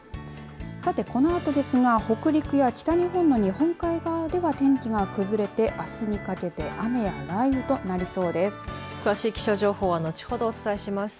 さて、このあとですが北陸や北日本の日本海側では天気が崩れて、あすにかけて雨や雷雨となりそうです。